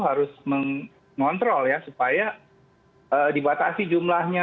harus mengontrol ya supaya dibatasi jumlahnya